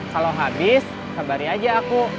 kalau habis sabari aja aku